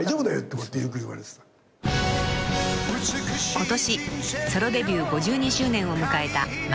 ［今年ソロデビュー５２周年を迎えた松崎しげるさん］